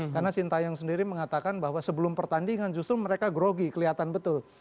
karena sintayong sendiri mengatakan bahwa sebelum pertandingan justru mereka grogi kelihatan betul